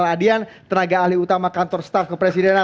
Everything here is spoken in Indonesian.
adian tenaga ahli utama kantor staf kepresidenan